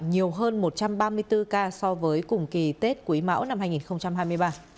nhiều hơn một trăm ba mươi bốn ca so với cùng kỳ tết quý mão năm hai nghìn hai mươi ba